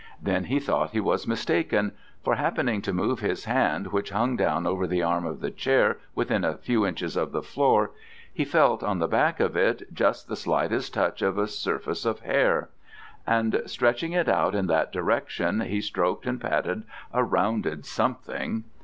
Then he thought he was mistaken: for happening to move his hand which hung down over the arm of the chair within a few inches of the floor, he felt on the back of it just the slightest touch of a surface of hair, and stretching it out in that direction he stroked and patted a rounded something.